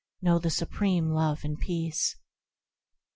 know the supreme Love and Peace.